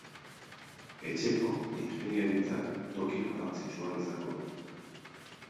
Etxeko ingeniaritzak toki garrantzitsua izango du.